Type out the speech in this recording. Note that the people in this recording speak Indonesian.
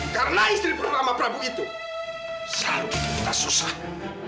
karena istri peramah prabu itu selalu bikin kita susah